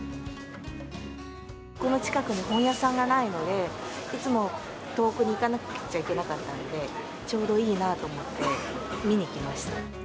この近くに本屋さんがないので、いつも遠くに行かなくっちゃいけなかったんで、ちょうどいいなと思って、見に来ました。